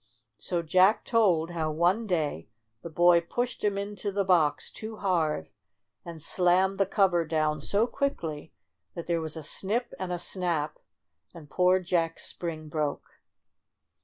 So Jack told how one day the boy pushed him into the box too hard, and slammed the cover down so quickly that THE BIRTHDAY PARTY 55 there was* a snip and a snap, and poor Jack's spring broke.